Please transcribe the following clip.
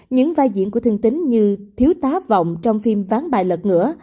những vai diễn của thương tính như thiếu tá vọng trong phim ván bài lật ngửa